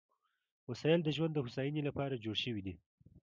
وسایل د ژوند د هوساینې لپاره جوړ شوي دي.